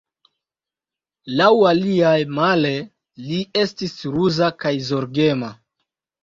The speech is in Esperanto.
Laŭ aliaj, male, li estis ruza kaj zorgema.